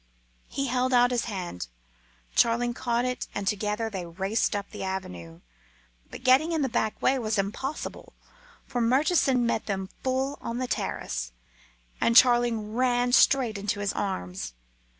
He held out his hand; Charling caught at it, and together they raced up the avenue. But getting in the back way was impossible, for Murchison met them full on the terrace, and Charling ran straight into his arms.